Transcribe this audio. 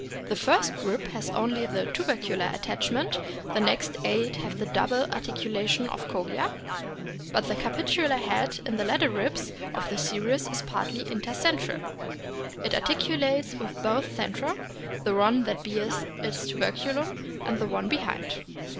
The first rib has only the tubercular attachment ; the next eight have the double articulation of Kogia, but the capitular head in the latter ribs of the series is partly inter centralit articulates with both centra, the one that bears its tuberculum and the one behind.